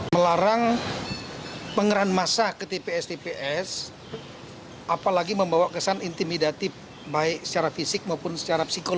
melarang pengerahan masa ke tps tps apalagi membawa kesan intimidatif baik secara fisik maupun secara psikologis